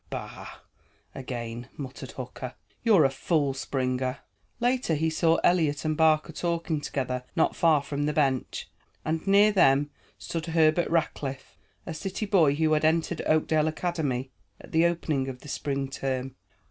"Bah!" again muttered Hooker. "You're a fool, Springer." Later he saw Eliot and Barker talking together not far from the bench, and near them stood Herbert Rackliff, a city boy who had entered Oakdale Academy at the opening of the spring term.